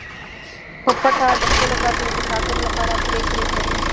په پټه د خپلو ګټو د ساتلو لپاره پریکړې کوي